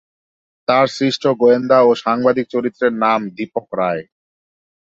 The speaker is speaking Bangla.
তার সৃষ্ট গোয়েন্দা ও সাংবাদিক চরিত্রের নাম দীপক রায়।